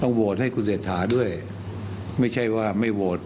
ต้องโวชัตที้ฯให้คุณเศรษฐานึงค่ะไม่ใช่ว่าไม่โวชัตที้